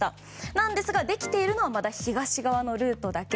なんですが、できているのはまだ東側のルートだけ。